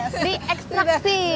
sudah di ekstraksi